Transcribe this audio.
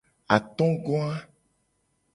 Atogoa.